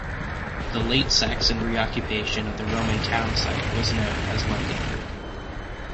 The Late Saxon reoccupation of the Roman town site was known as Lundenburgh.